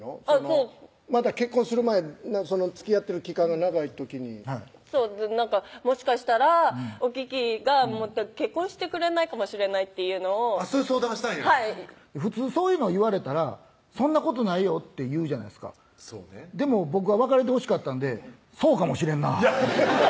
そうまだ結婚する前つきあってる期間が長い時にそう「もしかしたらおききが結婚してくれないかもしれない」っていうのをそういう相談はしたんやはい普通そういうの言われたら「そんなことないよ」って言うじゃないですかでも僕は別れてほしかったんで「そうかもしれんな」